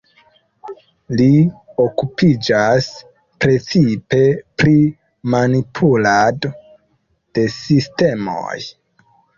Li okupiĝas precipe pri manipulado de sistemoj.